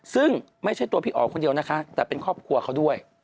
ซึ่งไม่ใช่ตัวพี่อ๋อคนเดียวนะคะแต่เป็นครอบครัวเขาด้วย